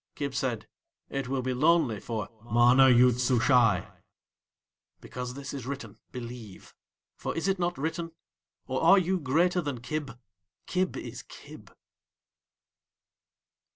Kib said: "It will be lonely for MANA YOOD SUSHAI." Because this is written, believe! For is it not written, or are you greater than Kib? Kib is Kib.